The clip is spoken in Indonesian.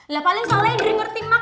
lah paling soalnya diri ngerti mak